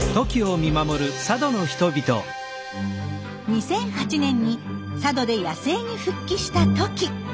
２００８年に佐渡で野生に復帰したトキ。